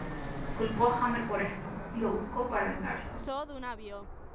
Culpó a Hammer por esto, y lo buscó para vengarse.